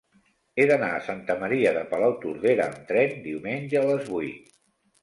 He d'anar a Santa Maria de Palautordera amb tren diumenge a les vuit.